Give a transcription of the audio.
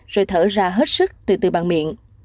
rồi thở ra hết sức từ từ bằng miệng